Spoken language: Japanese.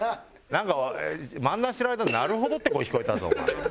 なんか漫談してる間「なるほど」って声聞こえたぞ。